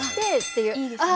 いいですね。